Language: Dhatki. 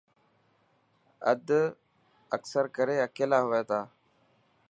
اد اڪثر ڪري اڪيلا هئي ٿا.